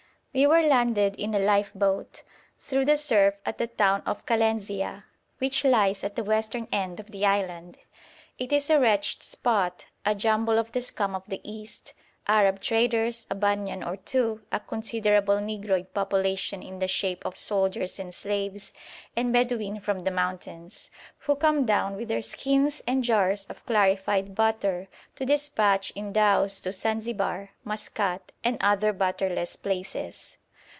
We were landed in a lifeboat, through the surf at the town of Kalenzia, which lies at the western end of the island. It is a wretched spot, a jumble of the scum of the East; Arab traders, a Banyan or two, a considerable Negroid population in the shape of soldiers and slaves, and Bedouin from the mountains, who come down with their skins and jars of clarified butter, to despatch in dhows to Zanzibar, Maskat, and other butterless places.